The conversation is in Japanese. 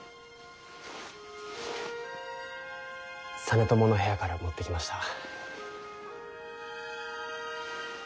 実朝の部屋から持ってきました。